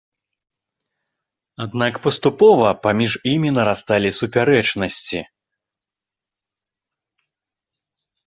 Аднак паступова паміж імі нарасталі супярэчнасці.